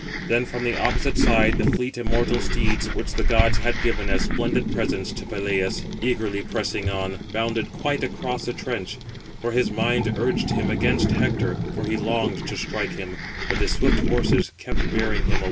Then, from the opposite side, the fleet immortal steeds, which the gods had given as splendid presents to Peleus, eagerly pressing on, bounded quite across the trench; for his mind urged him against Hector, for he longed to strike him, but his swift horses kept bearing him away.